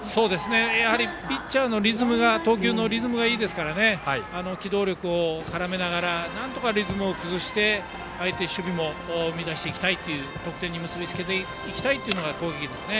やはりピッチャーの投球のリズムがいいですから機動力を絡めながらなんとかリズムを崩して相手守備も乱していきたい得点に結び付けていきたいという攻撃ですね。